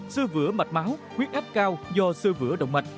sư vữa mạch máu huyết áp cao do sư vữa động mạch